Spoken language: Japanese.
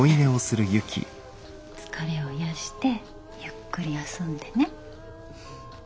疲れを癒やしてゆっくり休んでね。